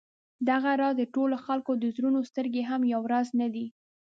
دغه راز د ټولو خلکو د زړونو سترګې هم یو راز نه دي.